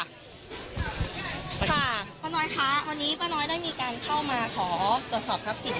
ค่ะป้าน้อยคะวันนี้ป้าน้อยได้มีการเข้ามาขอตรวจสอบทรัพย์สิน